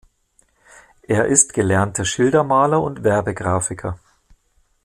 Er ist gelernter Schildermaler und Werbegrafiker.